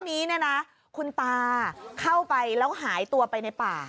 วันนี้เนี่ยนะคุณตาเข้าไปแล้วหายตัวไปในป่า